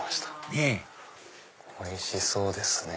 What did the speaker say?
ねぇおいしそうですね。